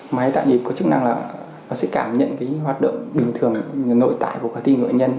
máy tạo nhịp có chức năng là nó sẽ cảm nhận hoạt động bình thường nội tại của khoa tim nội nhân